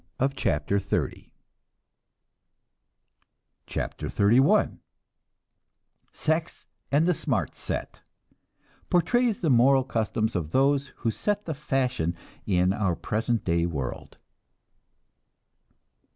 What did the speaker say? CHAPTER XXXI SEX AND THE "SMART SET" (Portrays the moral customs of those who set the fashion in our present day world.)